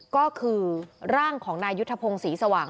ก็คือร่างของนายยุทธพงศ์ศรีสว่าง